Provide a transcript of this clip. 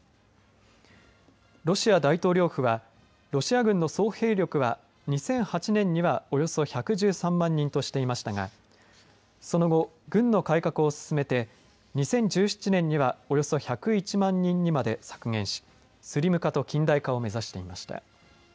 ロシア大統領府はロシア軍の総兵力は２００８年にはおよそ１１３万人としていましたがその後、軍の改革を進めて２０１７年にはおよそ１０１万人まで削減しスリム化と近代化を目指していました。